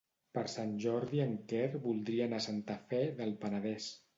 Per Sant Jordi en Quer voldria anar a Santa Fe del Penedès.